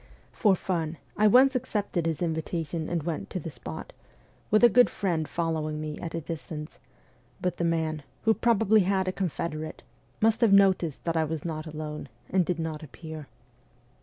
For fun, I once accepted his invitation and went to the spot, with a good friend following me at a distance ; but the man, who probably had a confederate, must have noticed that I was not alone, and did not appear.